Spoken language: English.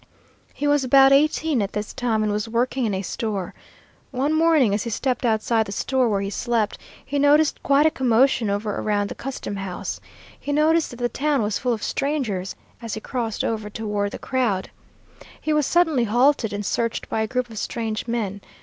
He was about eighteen at this time and was working in a store. One morning as he stepped outside the store, where he slept, he noticed quite a commotion over around the custom house. He noticed that the town was full of strangers, as he crossed over toward the crowd. He was suddenly halted and searched by a group of strange men.